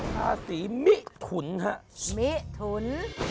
ราศีมิถุน